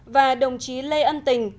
và đồng chí lê ân tình